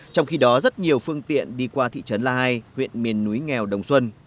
trong khi đó rất nhiều phương tiện đi qua thị trấn la hai huyện miền núi nghèo đồng xuân